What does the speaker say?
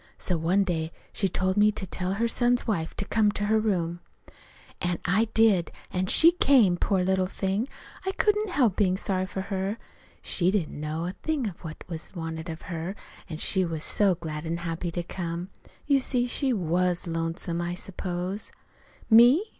So one day she told me to tell her son's wife to come to her in her room. "An' I did, an' she came. Poor little thing! I couldn't help bein' sorry for her. She didn't know a thing of what was wanted of her, an' she was so glad an' happy to come. You see, she was lonesome, I suppose. "'Me?